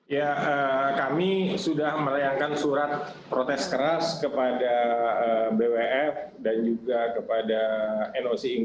ya kami sudah melayangkan surat protes keras kepada bwf dan juga kepada noc ini